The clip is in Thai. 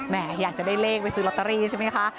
อยากจะได้เลขไปซื้อลอตเตอรี่ใช่ไหมคะ